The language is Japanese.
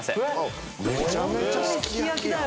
めちゃめちゃすき焼きや。